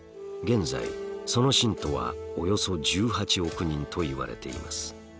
現在その信徒はおよそ１８億人といわれています。